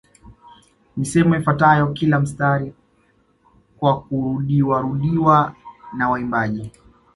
Misemo ifuatayo kila mstari kwa kurudiwarudiwa na waimbaji